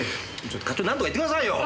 ちょっと課長なんとか言ってくださいよ！